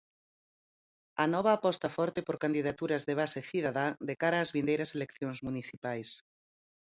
Anova aposta forte por candidaturas de "base cidadá" de cara ás vindeiras eleccións municipais.